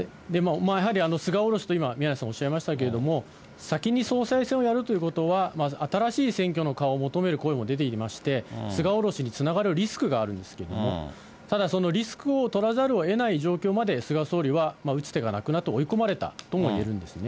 やはり菅降ろしと今、宮根さんおっしゃいましたけれども、先に総裁選をやるということは、新しい選挙の顔を求める声も出ていまして、菅降ろしにつながるリスクがあるんですけれども、ただ、そのリスクを取らざるをえない状況まで、菅総理は打つ手がなくなって追い込まれたともいえるんですね。